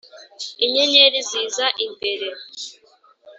inyenyeri ziza imbere,